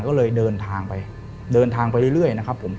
ก็เลยเดินทางไปเรื่อยนะครับ